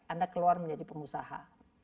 anda keluar menjadi pengusaha